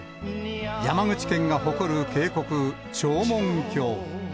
山口県が誇る渓谷、長門峡。